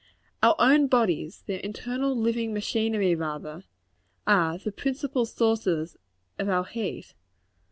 Our own bodies their internal, living machinery, rather are the principal sources of our heat.